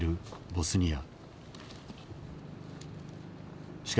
ボスニア！